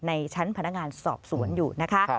ในชั้นพนักงานสอบสวนอยู่นะคะ